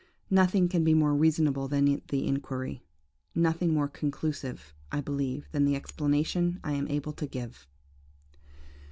"Nothing can be more reasonable than the inquiry; nothing more conclusive, I believe, than the explanation I am able to give.